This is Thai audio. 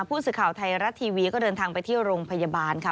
ผู้สื่อข่าวไทยรัฐทีวีก็เดินทางไปที่โรงพยาบาลค่ะ